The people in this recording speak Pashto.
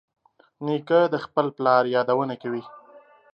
نیکه د خپل پلار یادونه کوي.